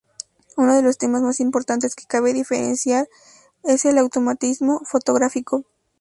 Uno de los temas más importantes que cabe diferenciar es el automatismo fotográfico.